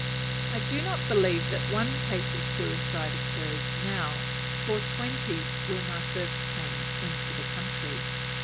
I do not believe that one case of suicide occurs now, for twenty when I first came into the country.